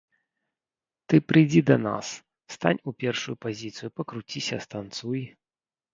Ты прыйдзі да нас, стань у першую пазіцыю, пакруціся, станцуй.